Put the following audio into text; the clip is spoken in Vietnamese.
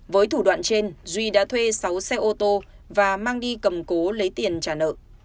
với thủ đoạn trên duy đã thuê sáu xe ô tô và mang đi cầm cố lấy tiền trả nợ